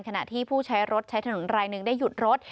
ขณะที่ผู้ใช้รถใช้ถนนรายหนึ่งได้หยุดรถ